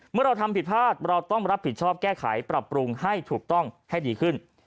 เมื่อเราทำผิดพลาดเราต้องรับผิดชอบแก้ไขปรับปรุงให้ถูกต้องให้ดีขึ้น